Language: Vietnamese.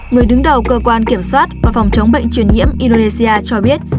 người đứng đầu cơ quan kiểm soát và phòng chống bệnh truyền nhiễm indonesia cho biết